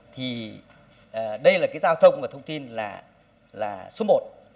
thì đây là cái giao thông và thông tin là số một